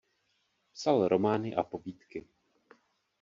Psal romány a povídky.